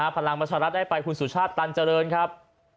พลังประชารัฐได้ไปคุณสุชาติตันเจริญครับ